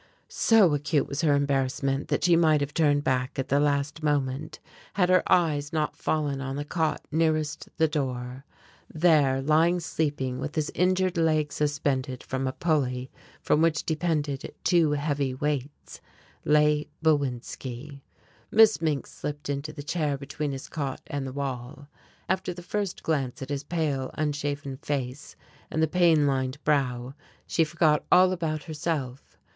So acute was her embarrassment that she might have turned back at the last moment, had her eyes not fallen on the cot nearest the door. There, lying asleep, with his injured leg suspended from a pulley from which depended two heavy weights, lay Bowinski. Miss Mink slipped into the chair between his cot and the wall. After the first glance at his pale unshaven face and the pain lined brow, she forgot all about herself.